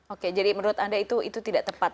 oke jadi menurut anda itu tidak tepat